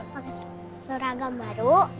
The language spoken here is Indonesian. pake seragam baru